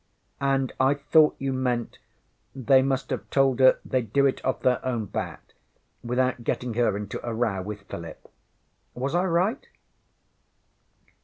ŌĆÖ ŌĆśAnd I thought you meant they must have told her theyŌĆÖd do it off their own bat, without getting her into a row with Philip. Was I right?